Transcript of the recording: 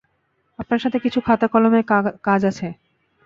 আপনার সাথে কিছু খাতা-কলমের কাজ আছে।